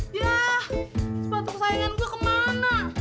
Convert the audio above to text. yah sepatu kesayangan gue kemana